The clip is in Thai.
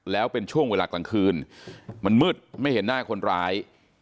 แล้วเป็นช่วงเวลากลางคืนมันมืดไม่เห็นหน้าคนร้าย